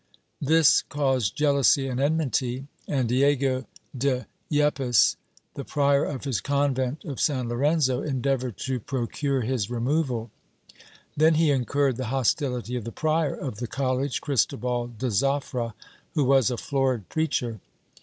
This caused jealousy and enmity, and Diego de Yepes, the prior of his convent of San Lorenzo, endeav ored to procure his removal. Then he incurred the hostility of the prior of the college, Cristobal de Zafra, who was a florid preacher.